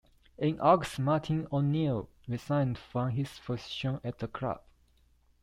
In August, Martin O'Neill resigned from his position at the club.